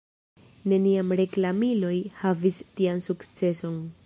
Neniam reklamiloj havis tian sukceson.